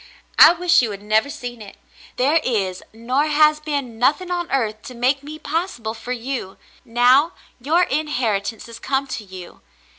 I wish you had never seen it. There is, nor has been, nothing on earth to make me possible for you, now — your inheritance has come to you.